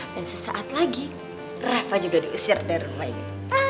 dan sesaat lagi reva juga diusir dari rumah ini